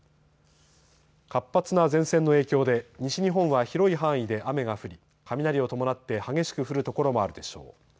活発な前線の影響で西日本は広い範囲で雨が降り雷を伴って激しく降る所もあるでしょう。